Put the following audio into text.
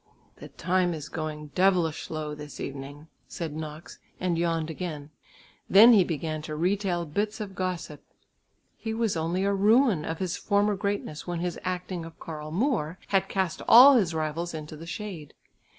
"The time is going devilish slow this evening," said Knox and yawned again. Then he began to retail bits of gossip. He was only a ruin of his former greatness when his acting of Karl Moor had cast all his rivals into the shade.